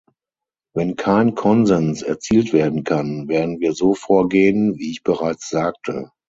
Wenn kein Konsens erzielt werden kann, werden wir so vorgehen, wie ich bereits sagte.